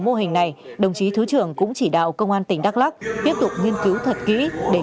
mô hình này đồng chí thứ trưởng cũng chỉ đạo công an tỉnh đắk lắc tiếp tục nghiên cứu thật kỹ để